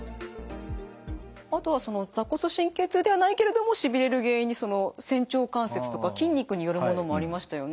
あとは坐骨神経痛ではないけれどもしびれる原因に仙腸関節とか筋肉によるものもありましたよね。